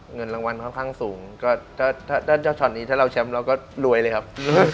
เงินรางวัลค่อนข้างสูงก็ถ้าเจ้าช็อตนี้ถ้าเราแชมป์เราก็รวยเลยครับ